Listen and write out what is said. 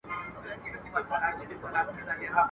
نخود او لوبیا د کرنې حبوبات دي.